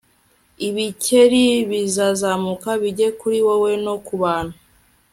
ibikeri bizazamuka bijye kuri wowe no ku bantu